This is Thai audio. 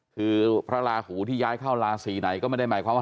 คือพระราหูที่ย้ายเข้าราศีไหนก็ไม่ได้หมายความว่า